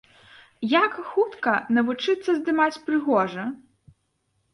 Як хутка навучыцца здымаць прыгожа?